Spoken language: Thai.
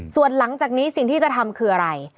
ส่วนหลังจากนี้สิ่งที่จะทำคืออะไร